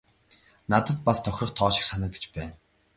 Надад ч бас тохирох тоо шиг санагдаж байна.